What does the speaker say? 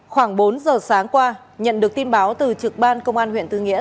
khoảng bốn giờ sáng qua nhận được tin báo từ trực ban công an huyện tư nghĩa